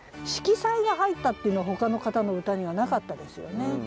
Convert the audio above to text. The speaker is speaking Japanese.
色彩が入ったっていうのはほかの方の歌にはなかったですよね。